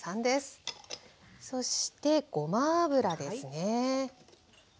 そしてごま油ですね。